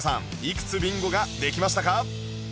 いくつビンゴができましたか？